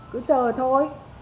cứ chờ thôi